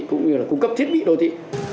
cũng như là cung cấp thiết bị đô thị